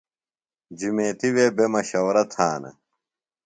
جُمیتیۡ وے بےۡ مشورہ تھانہ